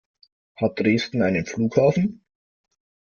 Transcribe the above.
Hat Dresden einen Flughafen?